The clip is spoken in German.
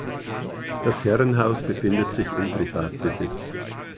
Das Herrenhaus befindet sich im Privatbesitz.